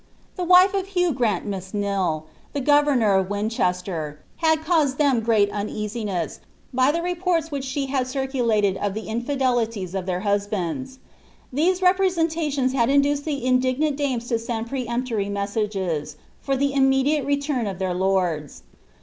The wife of Hugh GranimesDil, the govemor of Winchester, had causeJ tliem great uneasiness, by the reports which she had circulateil of ihe infidelities of their husbands. These representations had induced the indignant dames to send peremp tory inestages, for the immediate retiini of their lords.